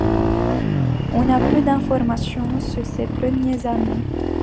On a peu d'informations sur ses premières années.